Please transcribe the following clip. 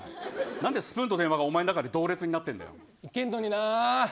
なんでスプーンと電話がおまえの中で同列になってるんだよ。